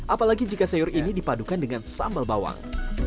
apalagi jika sayur ini dipadukan dengan sambal bawang